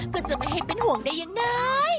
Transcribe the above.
ก็จะไม่ให้เป็นห่วงได้ยังไง